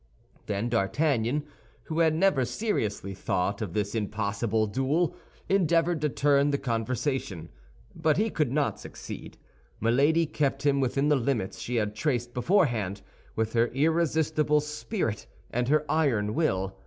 Then D'Artagnan, who had never seriously thought of this impossible duel, endeavored to turn the conversation; but he could not succeed. Milady kept him within the limits she had traced beforehand with her irresistible spirit and her iron will.